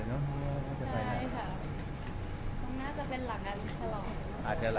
น้องนายจะไม่พูดอีกเลยนะ